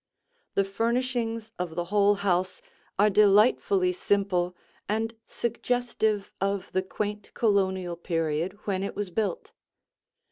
The furnishings of the whole house are delightfully simple and suggestive of the quaint Colonial period when it was built.